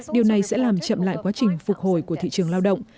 điều này sẽ làm chậm lại quá trình phục hồi của thị trường lao động